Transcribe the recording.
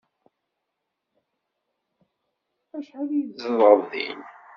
Acḥal ay tzedɣeḍ din?